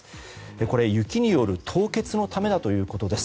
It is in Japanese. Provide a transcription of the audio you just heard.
これ、雪による凍結のためだということです。